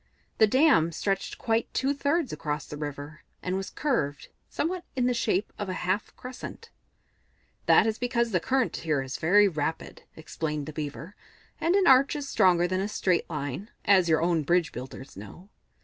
The dam stretched quite two thirds across the river, and was curved, somewhat in the shape of a half crescent. "That is because the current here is very rapid," explained the Beaver, "and an arch is stronger than a straight line, as your own bridge builders know.